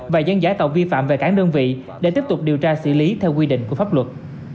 và dân giải tàu vi phạm về cảng đơn vị để tiếp tục điều tra xử lý theo quy định của pháp luật